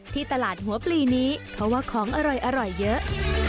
ที่ตลาดหัวปลีนี้เพราะว่าของอร่อยเยอะ